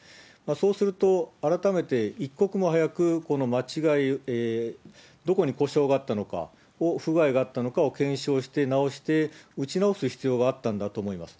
そうすると、改めて一刻も早くこの間違い、どこに故障があったのか、不具合があったのかを検証して直して、撃ち直す必要があったんだと思います。